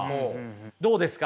どうですか？